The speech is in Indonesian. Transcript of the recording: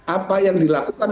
apa yang dilakukan